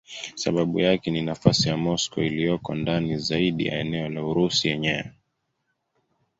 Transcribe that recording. Sababu yake ni nafasi ya Moscow iliyoko ndani zaidi ya eneo la Urusi yenyewe.